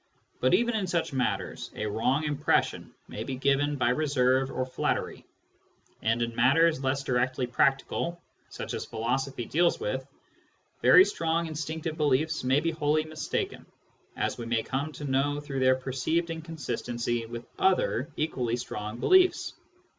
But even in such matters a wrong impression may be given by reserve or flattery ; and in matters less directly practical, such as philosophy deals with, very strong instinctive beliefs may be wholly mistaken, as we may come to know through their perceived inconsistency with other equally strong beliefs.